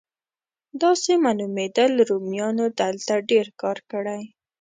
داسې معلومېدل رومیانو دلته ډېر کار کړی.